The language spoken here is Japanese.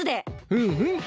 うんうん。